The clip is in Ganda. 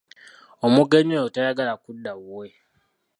Omugenyi oyo tayagala kudda wuwe.